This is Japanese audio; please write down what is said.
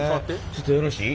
ちょっとよろしい？